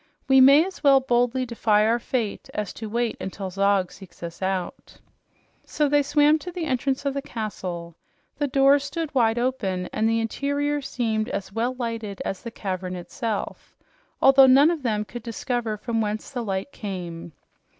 "We may as well boldly defy our fate as to wait until Zog seeks us out." So they swam to the entrance of the castle. The doors stood wide open, and the interior seemed as well lighted as the cavern itself, although none of them could discover from whence the light came.